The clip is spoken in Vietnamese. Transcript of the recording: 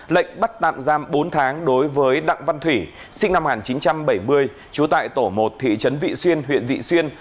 lệnh bắt tạm giam bốn tháng đối với đặng văn thủy sinh năm một nghìn chín trăm bảy mươi chú tại tổ một thị trấn vị xuyên huyện vị xuyên